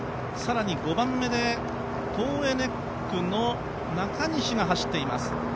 更に５番目、トーエネックの中西が走っています。